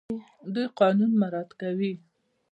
دوی قانون مراعات کوي.